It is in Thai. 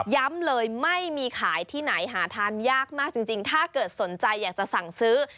เลยไม่มีขายที่ไหนหาทานยากมากจริงถ้าเกิดสนใจอยากจะสั่งซื้อ